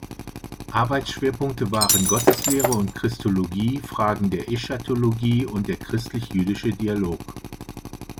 Arbeitsschwerpunkte waren Gotteslehre und Christologie, Fragen der Eschatologie und der christlich-jüdische Dialog.